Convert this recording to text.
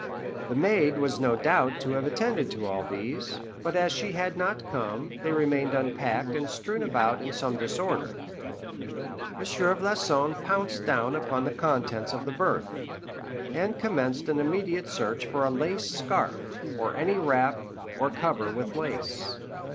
The maid was no doubt to have attended to all these, but as she had not come, they remained unpacked and strewn about in some disorder. M. Floçon pounced down upon the contents of the berth, and commenced an immediate search for a lace scarf, or any wrap or cover with lace.